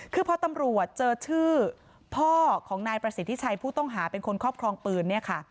คือพอตำรวจเจอชื่อพ่อของนายประสิทธิชัยผู้ต้องหาเป็นคนครอบครองปืนเนี่ยค่ะ